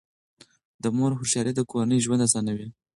د مور هوښیاري د کورنۍ ژوند اسانوي.